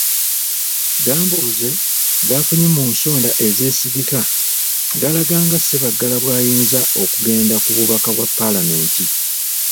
Gambuuze g'afunye mu nsonda ezeesigika galaga nga Ssebaggala bw'ayinza okugenda ku bubaka bwa Paalamenti.